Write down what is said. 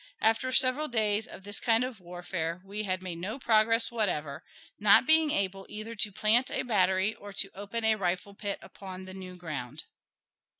After several days of this kind of warfare, we had made no progress whatever, not being able either to plant a battery or to open a rifle pit upon the new ground.